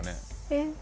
えっ